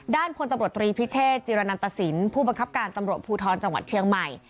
พลตำรวจตรีพิเชษจิรณันตสินผู้บังคับการตำรวจภูทรจังหวัดเชียงใหม่